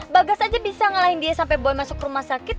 bagas aja bisa ngalahin dia sampai boleh masuk ke rumah sakit